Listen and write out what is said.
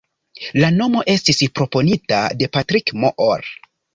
La nomo estis proponita de Patrick Moore.